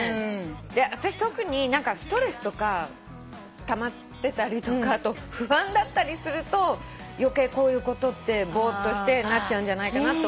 あたし特にストレスとかたまってたりとか不安だったりすると余計こういうことってぼーっとしてなっちゃうんじゃないかなって思った。